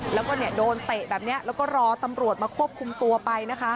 แล้วก็โดนเตะแบบนี้แล้วก็รอตำรวจมาควบคุมตัวไปนะคะ